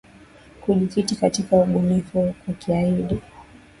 kujikita katika ubunifu huku akiahidi